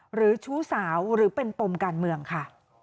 ชู้สาวหรือเป็นปมการเมืองค่ะ